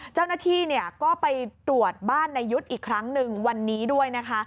เจ้าหน้าที่ก็ไปตรวจบ้านนายยุทธ์อีกครั้งหนึ่งวันนี้ด้วยนะคะ